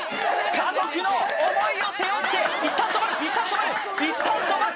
家族の思いを背負っていったん止まるいったん止まる